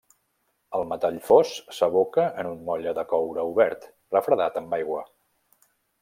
El metall fos s'aboca en un motlle de coure obert, refredat amb aigua.